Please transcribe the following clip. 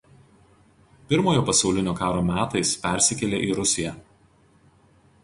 Pirmojo pasaulinio karo metais persikėlė į Rusiją.